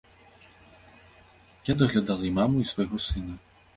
Я даглядала і маму, і свайго сына.